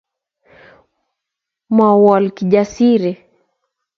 Mowol Kijjasiri